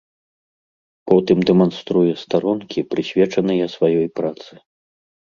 Потым дэманструе старонкі, прысвечаныя сваёй працы.